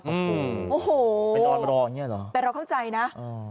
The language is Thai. อืมโอ้โหเป็นตอนรอเนี้ยเหรอแต่เราเข้าใจนะอืม